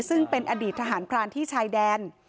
ซึ่งเป็นอดีตทหารพรานที่ชายแดน